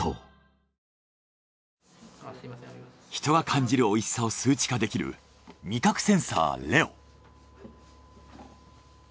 人が感じる美味しさを数値化できる味覚センサーレオ。